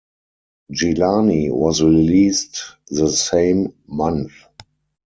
Gilani was released the same month.